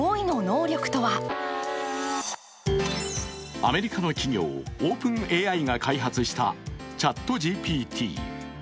アメリカの企業、ＯｐｅｎＡＩが開発したＣｈａｔＧＰＴ。